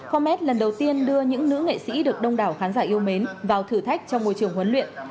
comet lần đầu tiên đưa những nữ nghệ sĩ được đông đảo khán giả yêu mến vào thử thách trong môi trường huấn luyện